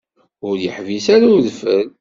Ur yeḥbis ara udfel.